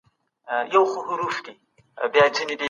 بهرني پانګوال به په راتلونکي کي دلته پانګونه وکړي.